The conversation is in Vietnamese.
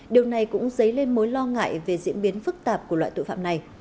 điều này cũng dấy lên mối lo ngại về diễn biến phức tạp của loại tội phạm này